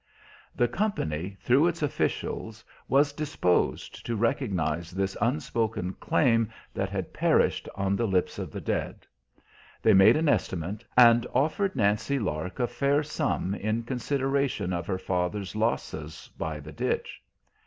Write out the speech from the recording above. The company, through its officials, was disposed to recognize this unspoken claim that had perished on the lips of the dead. They made an estimate, and offered Nancy Lark a fair sum in consideration of her father's losses by the ditch.